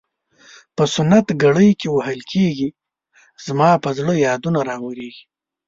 په سنت ګرۍ کې وهل کیږي زما پر زړه یادونه راوریږي.